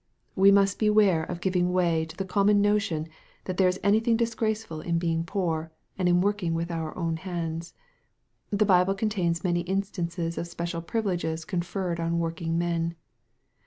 We must beware of giving way to the common notion, that there is anything disgraceful in being poor, and in working with our own hands. The Bible contains many instances of special privileges conferred on working men.